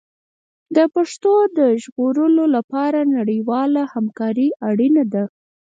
د پښتو د ژغورلو لپاره نړیواله همکاري اړینه ده.